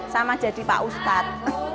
sama jadi pak ustadz